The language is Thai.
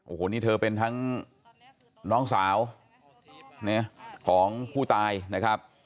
โอ้โหนี่เธอเป็นทั้งน้องสาวของผู้ตายนะครับ